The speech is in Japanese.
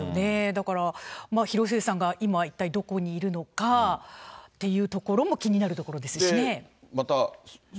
だから、広末さんが今、一体どこにいるのかっていうところも気になるところですしね。